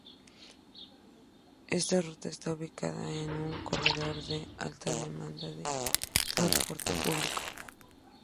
Esta ruta está ubicada en un corredor de alta demanda de transporte público.